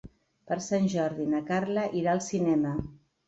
Per Sant Jordi na Carla irà al cinema.